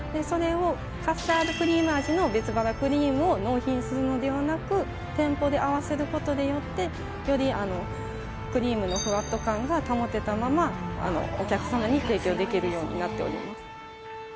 それをカスタードクリーム味のべつばらクリームを納品するのではなく店舗で合わせることによってよりクリームのふわっと感が保てたままお客様に提供できるようになっております